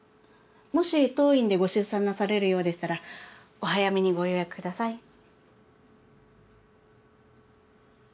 もし当院でご出産なされるようでしたらお早めにご予約ください。